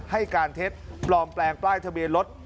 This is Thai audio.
ให้การเทสปลอมแปลงปลายทะเบลเลส